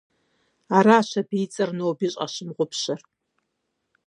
Аращ абы и цӏэр ноби щӏащымыгъупщэр.